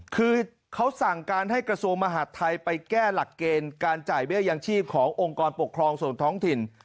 คือเขาสั่งการให้กระทรวงมหาดไทยไปแก้หลักเกณฑ์การจ่ายเบี้ยยังชีพขององค์กรปกครองส่วนท้องถิ่น